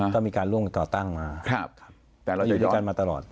ก็มีการร่วมกันก่อตั้งมาอยู่ด้วยกันมาตลอด